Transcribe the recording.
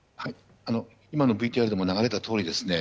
今のＶＴＲでも流れたとおりですね